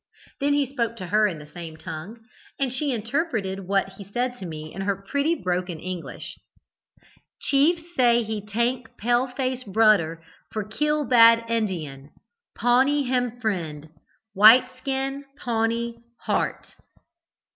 Then he spoke to her in the same tongue, and she interpreted what he said to me in her pretty broken English. "'Chief say he tank pale face broder for kill bad Indian. Pawnee him friend, white skin, Pawnee heart.'